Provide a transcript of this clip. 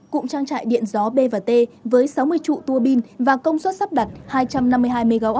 cụm trang trại điện gió b t với sáu mươi trụ tua bin và công suất sắp đặt hai trăm năm mươi hai mw